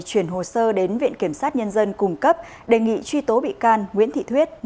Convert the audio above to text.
chuyển hồ sơ đến viện kiểm sát nhân dân cung cấp đề nghị truy tố bị can nguyễn thị thuyết